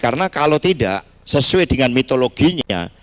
karena kalau tidak sesuai dengan mitologinya